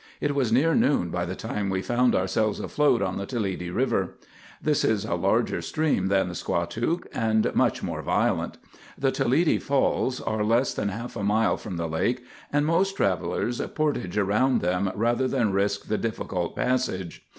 It was near noon by the time we found ourselves afloat on the Toledi River. This is a larger stream than the Squatook, and much more violent. The "Toledi Falls" are less than half a mile from the lake, and most travellers "portage" around them rather than risk the difficult passage.